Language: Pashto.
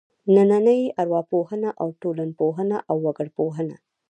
نننۍ ارواپوهنه او ټولنپوهنه او وګړپوهنه.